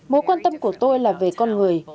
mối quan tâm của tôi là về con người